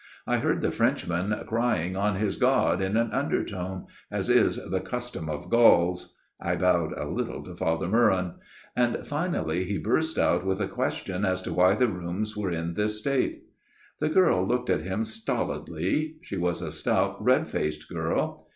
I heard the Frenchman crying on his God in an undertone as is the 290 A MIRROR OF SHALOTT custom of Gauls" (I bowed a little to Father Meuron) " and finally he burst out with a question as to why the rooms were in this state. " The girl looked at him stolidly. She was a stout, red faced girl.